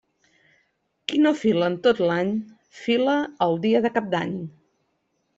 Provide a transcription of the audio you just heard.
Qui no fila en tot l'any, fila el dia de Cap d'Any.